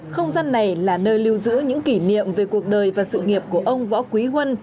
không gian này là nơi lưu giữ những kỷ niệm về cuộc đời và sự nghiệp của ông võ quý huân